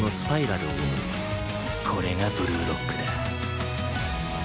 これがブルーロックだ。